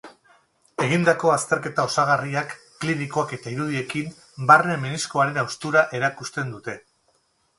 Egindako azterketa osagarriak, klinikoak eta irudiekin, barne meniskoaren haustura erakusten dute.